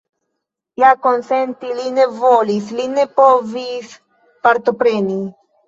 Ja konsenti li ne volis, li ne povis partopreni.